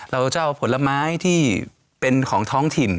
เราจะเอาผลไม้ที่เป็นของท้องถิ่น